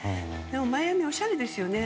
マイアミはおしゃれですよね。